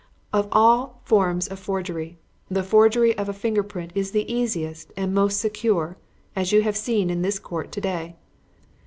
Of all forms of forgery, the forgery of a finger print is the easiest and most secure, as you have seen in this court to day.